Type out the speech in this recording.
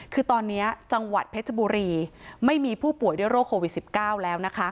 คือตอนนี้จังหวัดเพชรบุรีไม่มีผู้ป่วยด้วยโรคโควิด๑๙แล้วนะคะ